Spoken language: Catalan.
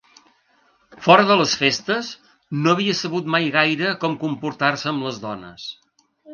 Fora de les festes no havia sabut mai gaire com comportar-se amb les dones.